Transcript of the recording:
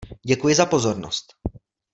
Děkuji za pozornost.